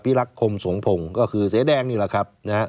รักคมสงพงศ์ก็คือเสียแดงนี่แหละครับนะฮะ